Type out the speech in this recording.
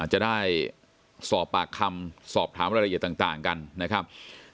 จะได้สอบปากคำสอบถามรายละเอียดต่างกันนะครับ